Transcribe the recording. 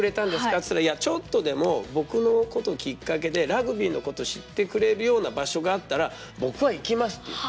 っつったら「ちょっとでも僕のこときっかけでラグビーのことを知ってくれるような場所があったら僕は行きます」って言って。